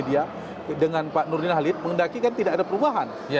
dia dengan pak nurdin halid mengendaki kan tidak ada perubahan